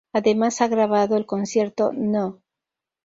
Además, ha grabado el Concierto No.